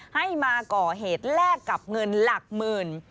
ให้มาก่อเหตุแลกกับเงินหลักหมื่น